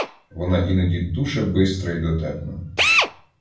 Вона іноді дуже бистра й дотепна.